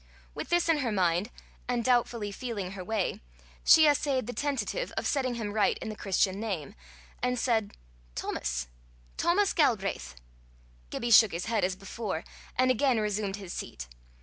With this in her mind, and doubtfully feeling her way, she essayed the tentative of setting him right in the Christian name, and said: "Thomas Thomas Galbraith." Gibbie shook his head as before, and again resumed his seat.